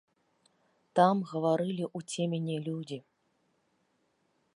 Там гаварылі ў цемені людзі.